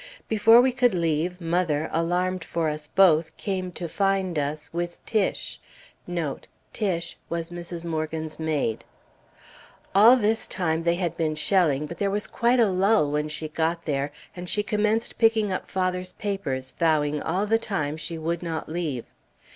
Before we could leave, mother, alarmed for us both, came to find us, with Tiche. All this time they had been shelling, but there was quite a lull when she got there, and she commenced picking up father's papers, vowing all the time she would not leave.